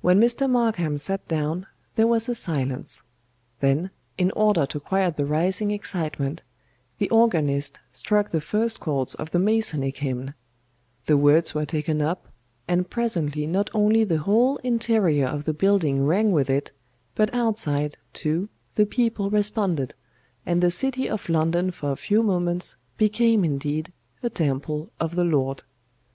"When Mr. MARKHAM sat down, there was a silence; then, in order to quiet the rising excitement, the organist struck the first chords of the Masonic Hymn; the words were taken up, and presently not only the whole interior of the building rang with it, but outside, too, the people responded, and the city of London for a few moments became indeed a temple of the Lord.